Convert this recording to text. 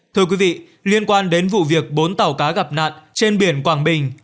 thưa quý vị liên quan đến vụ việc bốn tàu cá gặp nạn trên biển quảng bình